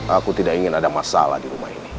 aku tidak ingin ada masalah di rumah ini